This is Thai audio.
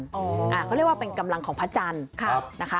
เขาเรียกว่าเป็นกำลังของพระจันทร์นะคะ